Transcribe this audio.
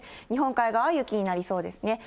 日本海側は雪になりそうですね。